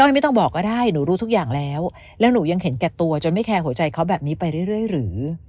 ไม่ต้องบอกก็ได้หนูรู้ทุกอย่างแล้วแล้วหนูยังเห็นแก่ตัวจนไม่แคร์หัวใจเขาแบบนี้ไปเรื่อยหรือ